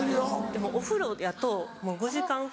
でもお風呂やと５時間。